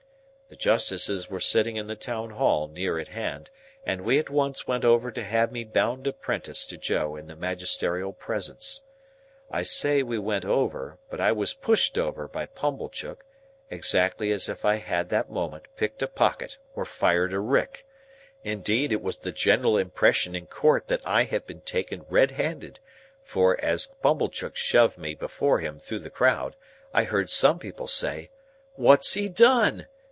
The Justices were sitting in the Town Hall near at hand, and we at once went over to have me bound apprentice to Joe in the Magisterial presence. I say we went over, but I was pushed over by Pumblechook, exactly as if I had that moment picked a pocket or fired a rick; indeed, it was the general impression in Court that I had been taken red handed; for, as Pumblechook shoved me before him through the crowd, I heard some people say, "What's he done?"